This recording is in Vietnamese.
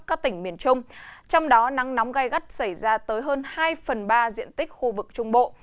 các tỉnh miền trung trong đó nắng nóng gai gắt xảy ra tới hơn hai phần ba diện tích khu vực trung bộ